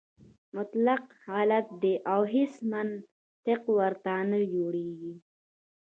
مطلق غلط دی او هیڅ منطق ورته نه جوړېږي.